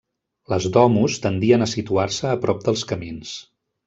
Les domus tendien a situar-se a prop dels camins.